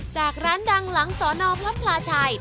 จากร้านดังหลังสอนอพระพลาชัย